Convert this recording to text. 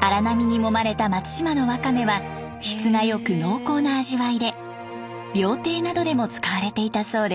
荒波にもまれた松島のワカメは質が良く濃厚な味わいで料亭などでも使われていたそうです。